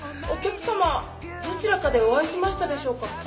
お客さまどちらかでお会いしましたでしょうか？